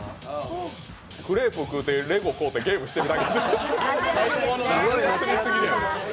クレープ食うてレゴ買うてゲームしてるだけやん。